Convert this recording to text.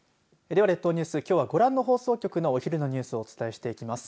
では列島ニュース、きょうご覧の放送局のお昼のニュースをお伝えしていきます。